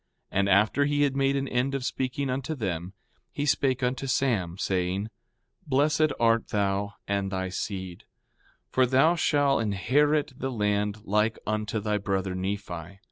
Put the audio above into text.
4:11 And after he had made an end of speaking unto them, he spake unto Sam, saying: Blessed art thou, and thy seed; for thou shall inherit the land like unto thy brother Nephi.